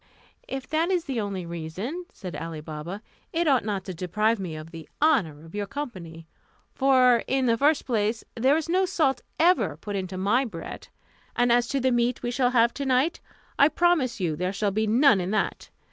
"If that is the only reason," said Ali Baba, "it ought not to deprive me of the honour of your company; for, in the first place, there is no salt ever put into my bread, and as to the meat we shall have to night, I promise you there shall be none in that.